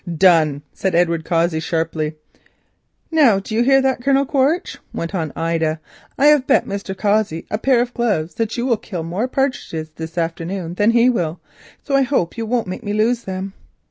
"Done," said Edward Cossey sharply. "Now, do you hear that, Colonel Quaritch?" went on Ida. "I have bet Mr. Cossey a pair of gloves that you will kill more partridges this afternoon than he will, so I hope you won't make me lose them."